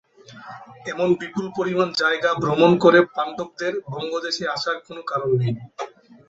এত বিপুল পরিমাণ জায়গা ভ্রমণ করে পাণ্ডব দের বঙ্গ দেশে আসার কোন কারণ নেই।